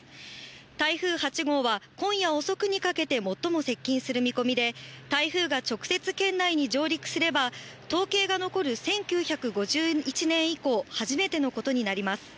台風８号は今夜遅くにかけて最も接近する見込みで、台風が直接県内に上陸すれば統計が残る１９５１年以降、初めてのことになります。